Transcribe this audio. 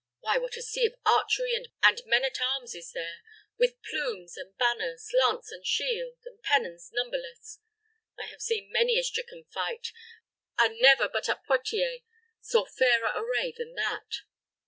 Why, what a sea of archery and men at arms is here, with plumes and banners, lance and shield, and pennons numberless. I have seen many a stricken fight, and never but at Poictiers saw fairer array than that."